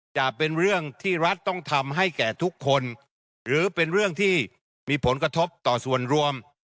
จะเป็นเรื่องที่รัฐต้องทำให้แก่ทุกคนหรือเป็นเรื่องที่มีผลกระทบต่อส่วนรวม